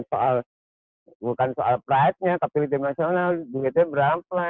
soal bukan soal pride nya tapi di tim nasional duitnya berapa